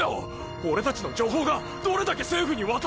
俺たちの情報がどれだけ政府に渡ったか！